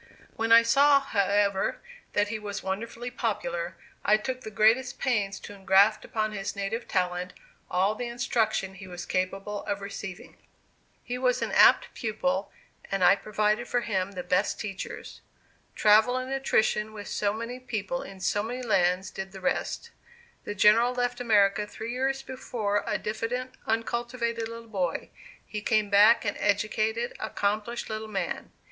When I saw, however, that he was wonderfully popular, I took the greatest pains to engraft upon his native talent all the instruction he was capable of receiving. He was an apt pupil, and I provided for him the best of teachers. Travel and attrition with so many people in so many lands did the rest. The General left America three years before, a diffident, uncultivated little boy; he came back an educated, accomplished little man.